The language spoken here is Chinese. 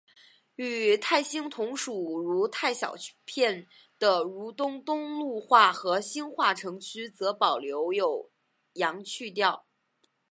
与泰兴同属如泰小片的如东东路话和兴化城区则保留有阳去调。